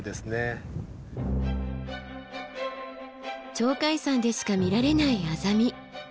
鳥海山でしか見られないアザミ。